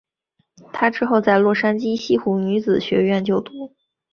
她之后在洛杉矶西湖女子学院就读。